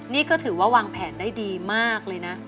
นี่ก็ถือว่าวางแผนได้ดีมากเลยนะ